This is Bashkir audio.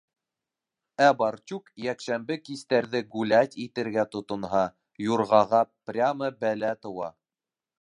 Ә барчук йәкшәмбе кистәрҙе гулять итергә тотонһа, юрғаға прямо бәлә тыуа.